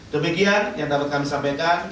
demikian yang dapat kami sampaikan